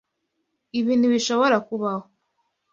Ibi ntibishobora kubaho.